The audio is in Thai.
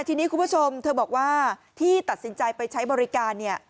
ทีนี้คุณผู้ชมเธอบอกว่าที่ตัดสินใจไปใช้บริการเนี่ย